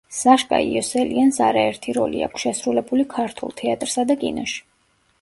საშკა იოსელიანს არაერთი როლი აქვს შესრულებული ქართულ თეატრსა და კინოში.